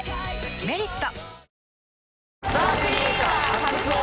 「メリット」